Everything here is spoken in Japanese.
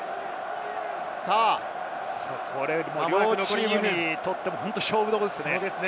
両チームにとって勝負どころですね。